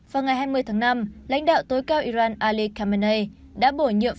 vào ngày hai mươi tháng năm lãnh đạo tối cao iran ali khamenei đã bổ nhiệm